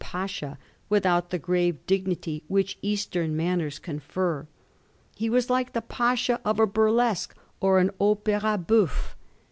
Pasha without the grave dignity which Eastern manners confer. He was like the Pasha of a bur lesque or an opira houffe.